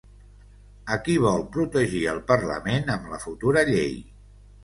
A qui vol protegir el parlament amb la futura llei?